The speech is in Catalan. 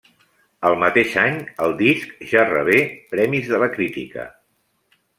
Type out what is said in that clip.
El mateix any, el disc ja rebé premis de la crítica.